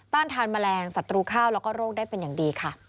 ทานแมลงศัตรูข้าวแล้วก็โรคได้เป็นอย่างดีค่ะ